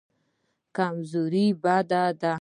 کمزوري بد دی.